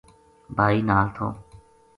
بھائی نال تھو۔